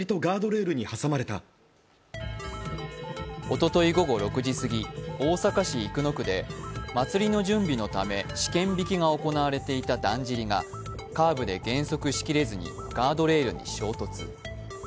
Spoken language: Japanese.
おととい午後６時過ぎ、大阪市生野区で祭りの準備のため試験びきが行われていただんじりが、カーブが減速しきれずにガードレールに衝突。